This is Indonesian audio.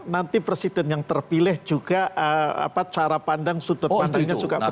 nanti presiden yang terpilih juga cara pandang sudut pandangnya juga berbeda